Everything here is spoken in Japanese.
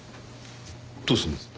どうするんです？